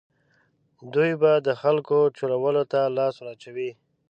دوی به د خلکو چورولو ته لاس واچوي.